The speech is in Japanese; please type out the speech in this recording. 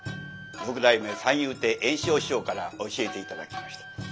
六代目三遊亭圓生師匠から教えて頂きました。